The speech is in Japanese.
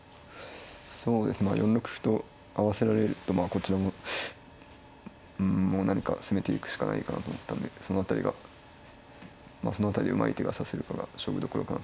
そうですねまあ４六歩と合わせられるとまあこちらもうんもう何か攻めていくしかないかなと思ったんでその辺りがまあその辺りでうまい手が指せるかが勝負どころかなと思ってました。